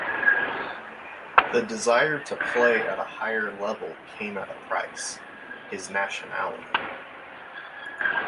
The desire to play at a higher level came at a price: his nationality.